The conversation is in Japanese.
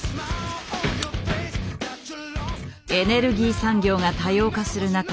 エネルギー産業が多様化する中